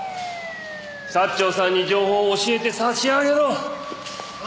サッチョウさんに情報を教えて差し上げろ。